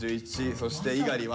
そして猪狩は？